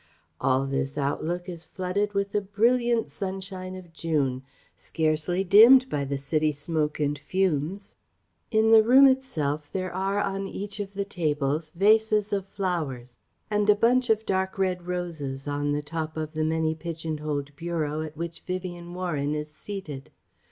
All this outlook is flooded with the brilliant sunshine of June, scarcely dimmed by the city smoke and fumes. In the room itself there are on each of the tables vases of flowers and a bunch of dark red roses on the top of the many pigeon holed bureau at which Vivien Warren is seated.